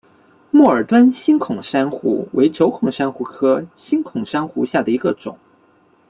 默尔敦星孔珊瑚为轴孔珊瑚科星孔珊瑚下的一个种。